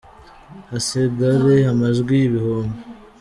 hasigare amajwi ibihumbi